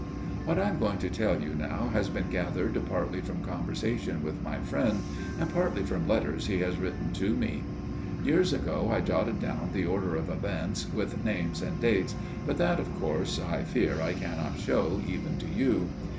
"What I am going to tell you now has been gathered partly from conversations with my friend: and partly from letters he has written to me. Years ago I jotted down the order of events, with names and dates, but that, of course, I fear I cannot show even to you.